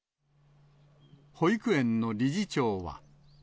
保育園の理事長は。